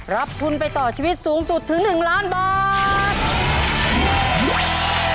รับทุนไปต่อชีวิตสูงสุดถึง๑ล้านบาท